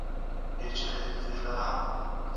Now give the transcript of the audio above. حقونه یې ورکړئ.